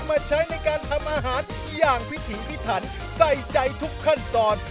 มาใช้ในการทำอาหารอย่างพิถีพิถันใส่ใจทุกขั้นตอน